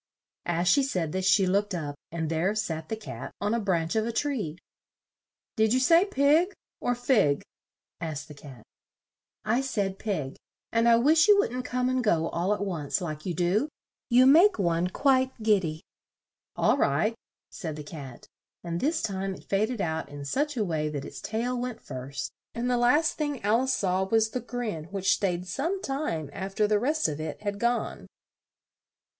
As she said this, she looked up, and there sat the Cat on a branch of a tree. "Did you say pig, or fig?" asked the Cat. "I said pig; and I wish you wouldn't come and go, all at once, like you do; you make one quite gid dy." "All right," said the Cat; and this time it faded out in such a way that its tail went first, and the last thing Al ice saw was the grin which stayed some time af ter the rest of it had gone.